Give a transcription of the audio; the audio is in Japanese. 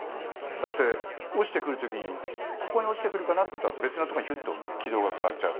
だって、落ちてくる時にここに落ちてくるかなと思ったら別のところにヒュッと軌道が変わっちゃう。